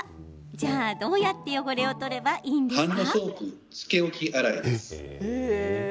じゃあ、どうやって汚れを取ればいいんですか？